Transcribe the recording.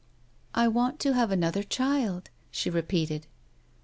" I want to have another child," she repeated.